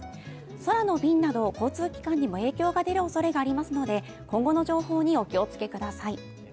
空の便など交通機関にも影響が出るおそれがありますので、今後の情報にお気をつけください。